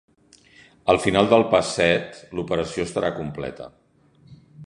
Al final del pas set, l'operació estarà completa.